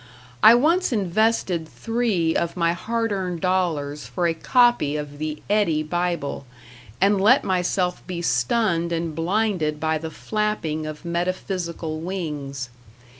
I once invested three of my hard earned dollars for a copy of the Eddy Bible, and let myself be stunned and blinded by the flapping of metaphysical wings.